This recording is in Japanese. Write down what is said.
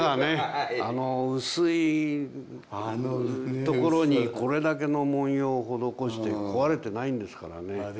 あの薄いところにこれだけの文様を施して壊れてないんですからね。